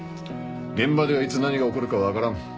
現場ではいつ何が起こるか分からん。